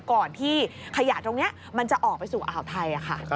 ก่อนที่ขยะตรงนี้มันจะออกไปสู่อ่าวไทยค่ะ